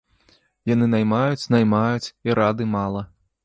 Яны наймаюць, наймаюць і рады мала.